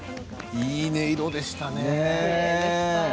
いい音色でしたね。